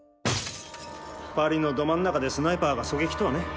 パリのど真ん中でスナイパーが狙撃とはね。